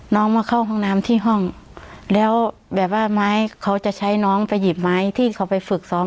น้องมาเข้าห้องน้ำที่ห้องแล้วแบบว่าไม้เขาจะใช้น้องไปหยิบไม้ที่เขาไปฝึกซ้อม